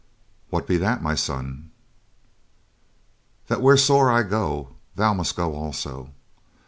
"What be that, my son?" "That wheresoere I go, thou must go also.